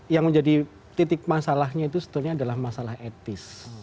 yang menjadi titik masalahnya itu sebetulnya adalah masalah etis